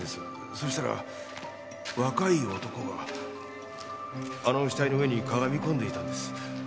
そしたら若い男があの死体の上にかがみ込んでいたんです。